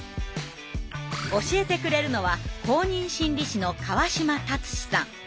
教えてくれるのは公認心理師の川島達史さん。